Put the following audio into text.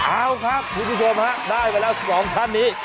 เอาครับคุณผู้ชมฮะได้ไปแล้ว๒ท่านนี้